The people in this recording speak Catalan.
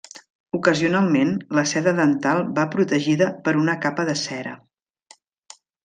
Ocasionalment la seda dental va protegida per una capa de cera.